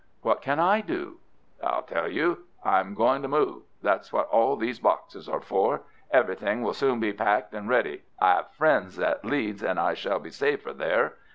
"What can I do?" "I'll tell you. I'm going to move. That's what all these boxes are for. Everything will soon be packed and ready. I 'ave friends at Leeds, and I shall be safer there.